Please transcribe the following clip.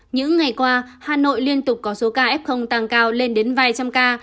những ngày qua hà nội liên tục có số ca f tăng cao lên đến vài trăm ca